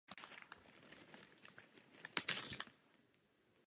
Willy poslouchá jeho příkazy.